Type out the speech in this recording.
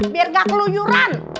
biar gak keluyuran